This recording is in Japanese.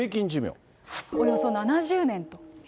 およそ７０年と。